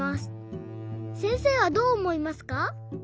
せんせいはどうおもいますか？